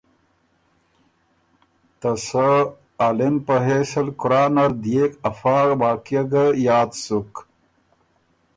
ته سۀ عالم په حېث ال قرآن نر ديېک افا واقعه ګۀ یاد سُک۔